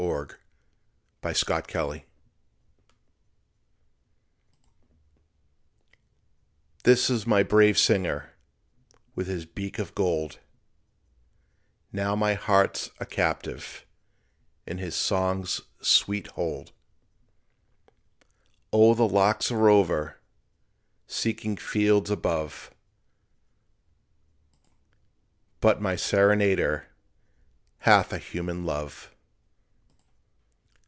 AN IRISH BLACKBIRD This is my brave singer, With his beak of gold; Now my heart's a captive In his song's sweet hold. O, the lark's a rover, Seeking fields above: But my serenader Hath a human love.